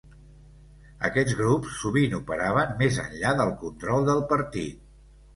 Aquests grups sovint operaven més enllà del control del partit.